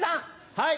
はい。